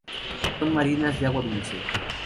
Son marinas o de agua dulce.